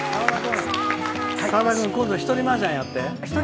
澤田君、今度一人マージャンやって。